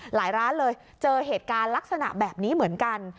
ร้านเลยเจอเหตุการณ์ลักษณะแบบนี้เหมือนกัน